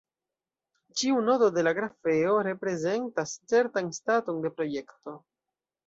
Ĉiu nodo de la grafeo reprezentas certan staton de projekto.